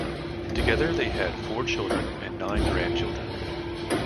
Together they had four children and nine grandchildren.